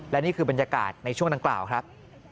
และนี่คือบรรยากาศในช่วงดังกล่าวครับ